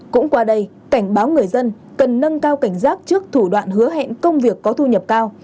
cũng qua đây cảnh báo người dân cần nâng cao cảnh giác trước thủ đoạn hứa hẹn công việc có thu nhập cao